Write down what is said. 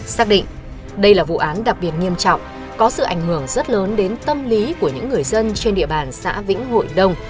xác định đây là vụ án đặc biệt nghiêm trọng có sự ảnh hưởng rất lớn đến tâm lý của những người dân trên địa bàn xã vĩnh hội đông